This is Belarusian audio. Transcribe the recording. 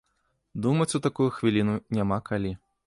Думаць у такую хвіліну няма калі.